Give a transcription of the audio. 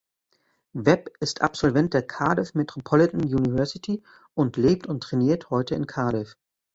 Webb ist Absolvent der Cardiff Metropolitan University und lebt und trainiert heute in Cardiff.